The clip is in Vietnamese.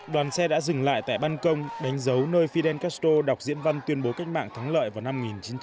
đoàn xe đã dừng lại tại ban công đánh dấu nơi fidel castro đọc diễn văn tuyên bố cách mạng thắng lợi vào năm một nghìn chín trăm bốn mươi năm